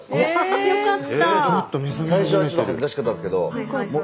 よかった！